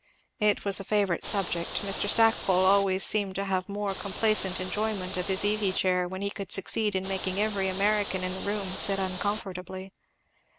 It was a favourite subject; Mr. Stackpole always seemed to have more complacent enjoyment of his easy chair when he could succeed in making every American in the room sit uncomfortably.